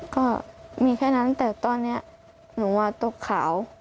ก็มีแค่นั้นแต่ตอนนี้หนูตกขาว